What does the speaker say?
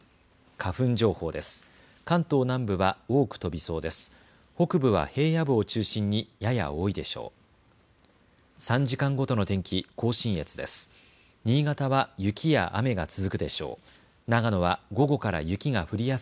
花粉情報です。